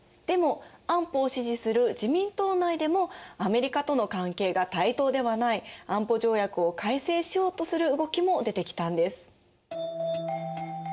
でも安保を支持する自民党内でもアメリカとの関係が対等ではない安保条約を改正しようとする動きも出てきたんです。